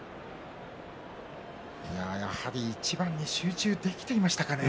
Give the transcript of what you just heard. やはり一番に集中できていましたかね。